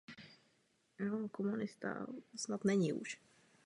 Není to krize naší měny; je to krize hospodářská.